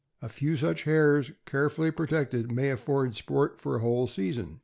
A few such hares, carefully pro tected, may afford sport for a whole season.